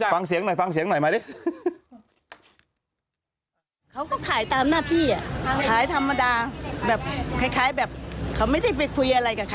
แบบคล้ายแบบเขาไม่ได้ไปคุยอะไรกับใครเลยเนี่ย